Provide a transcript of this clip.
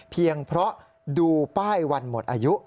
เพราะดูป้ายวันหมดอายุ